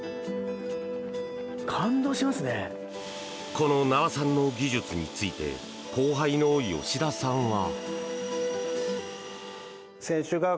この名和さんの技術について後輩の吉田さんは。